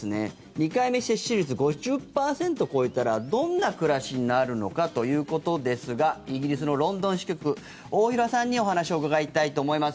２回目接種率５０％超えたらどんな暮らしになるのかということですがイギリスのロンドン支局大平さんにお話を伺いたいと思います。